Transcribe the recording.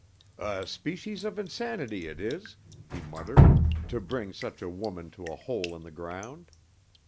"A species of insanity it is," he muttered, "to bring such a woman to a hole in the ground."